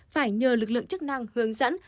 phải nhờ lực lượng chức năng hướng dẫn